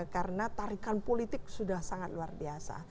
karena tarikan politik sudah sangat luar biasa